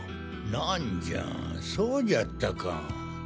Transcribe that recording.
なんじゃそうじゃったか。